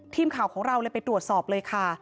ทีมข่าวของเราเลยไปตรวจสอบเลยค่ะ